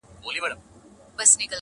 o هر څوک هڅه کوي تېر هېر کړي خو نه کيږي,